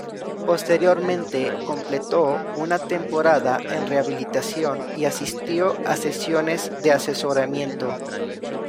Posteriormente completó una temporada en rehabilitación y asistió a sesiones de asesoramiento.